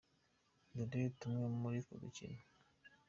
Dore tumwe muri utwo dukino :.